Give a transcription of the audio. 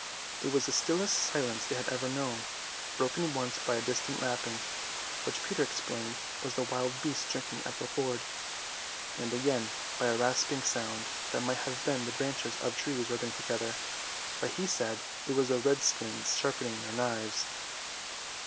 It was the stillest silence they had ever known, broken once by a distant lapping, which Peter explained was the wild beasts drinking at the ford, and again by a rasping sound that might have been the branches of trees rubbing together, but he said it was the redskins sharpening their knives.